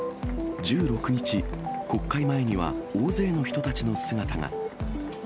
１６日、国会前には大勢の人たちの姿が。